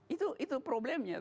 itu itu problemnya